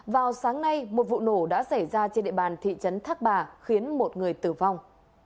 vào sáng nay một vụ nổ đã xảy ra trên địa bàn thị trấn thác bà khiến một người tử vong